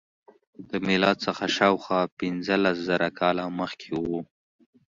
له میلاد څخه شاوخوا پنځلس زره کاله مخکې و.